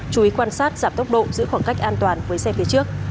chú ý quan sát giảm tốc độ giữ khoảng cách an toàn với xe phía trước